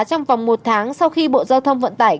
trong vòng một tháng sau khi bộ giao thông vận tải